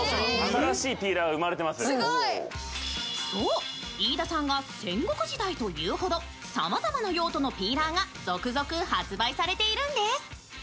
そう、飯田さんが戦国時代と言うほどさまざまな用途のピーラーが続々発売されているんです。